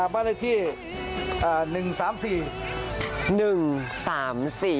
บ้านในที่๑๓๔